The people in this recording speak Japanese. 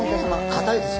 硬いです。